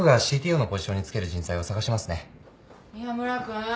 宮村君？